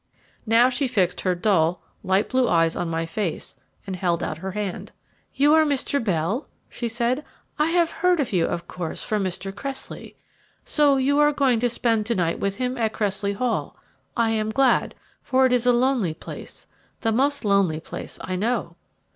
Now she fixed her dull, light blue eyes on my face and held out her hand. "You are Mr. Bell?" she said. "I have heard of you, of course, from Mr. Cressley. So you are going to spend to night with him at Cressley Hall. I am glad, for it is a lonely place the most lonely place I know."